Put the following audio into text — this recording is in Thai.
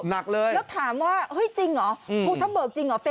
หนักเลยแล้วถามว่าภูทับเบิกจรรย์หรือจริงหรือ